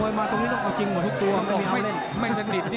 หมดยกที่๑